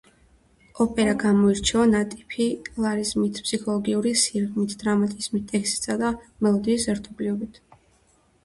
ოპერა გამოირჩევა ნატიფი ლირიზმით, ფსიქოლოგიური სიღრმით, დრამატიზმით, ტექსტისა და მელოდიის ერთობლიობით.